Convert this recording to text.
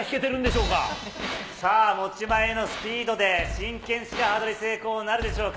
持ち前のスピードで、真剣白刃取り成功なるでしょうか。